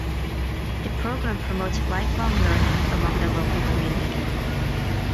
The program promotes lifelong learning among the local community.